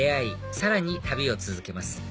さらに旅を続けます